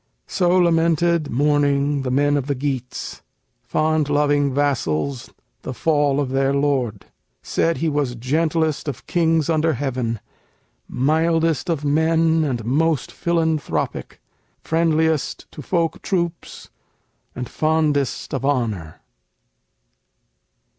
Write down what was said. So lamented mourning the men of the Geats, Fond loving vassals, the fall of their lord, Said he was gentlest of kings under heaven, Mildest of men and most philanthropic, Friendliest to folk troops and fondest of honor.